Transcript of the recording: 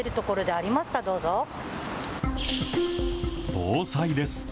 防災です。